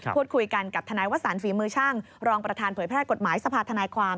พูดคุยกันกับทนายวสารฝีมือช่างรองประธานเผยแพร่กฎหมายสภาธนายความ